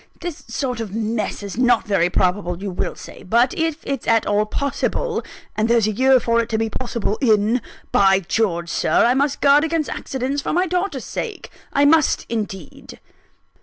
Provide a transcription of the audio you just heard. This sort of mess is not very probable, you will say; but if it's at all possible and there's a year for it to be possible in by George, Sir, I must guard against accidents, for my daughter's sake I must indeed!"